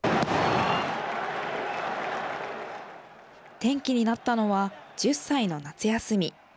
転機になったのは１０歳の夏休み。